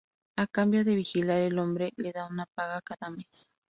A cambio de vigilar, el hombre le da una paga cada mes.